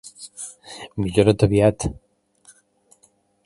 Millora't aviat!